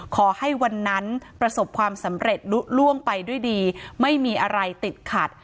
ขอให้วันนั้นประสบความสำเร็จลุล่วงไปด้วยดีไม่มีอะไรติดขัด